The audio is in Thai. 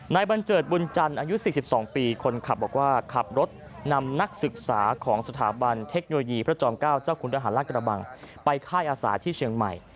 บันเจิดบุญจันทร์อายุ๔๒ปีคนขับบอกว่าขับรถนำนักศึกษาของสถาบันเทคโนโลยีพระจอม๙เจ้าคุณทหารราชกระบังไปค่ายอาสาที่เชียงใหม่